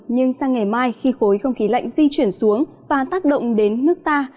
nhưng sang ngày mai khi khối không khí lạnh di chuyển xuống và tác động đến nước ta